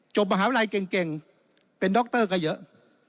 มหาวิทยาลัยเก่งเป็นดรก็เยอะ